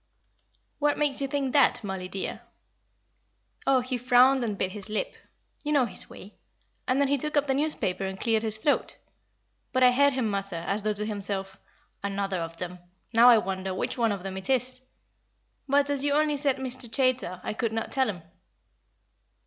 "What makes you think that, Mollie, dear." "Oh, he frowned and bit his lip. You know his way. And then he took up the newspaper and cleared his throat. But I heard him mutter, as though to himself, 'Another of them. Now I wonder which of them it is.' But, as you only said Mr. Chaytor, I could not tell him."